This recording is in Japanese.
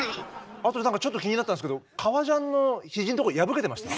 あと何かちょっと気になったんすけど革ジャンの肘のとこ破けてました？